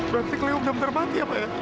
berarti kliu udah bentar mati apa ya